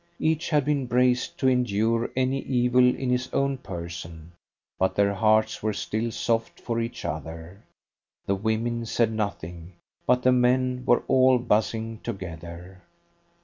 Each had been braced to endure any evil in his own person, but their hearts were still soft for each other. The women said nothing, but the men were all buzzing together.